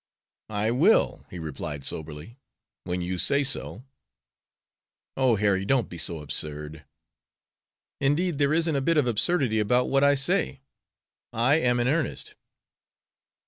"I will," he replied, soberly, "when you say so." "Oh, Harry, don't be so absurd." "Indeed there isn't a bit of absurdity about what I say. I am in earnest."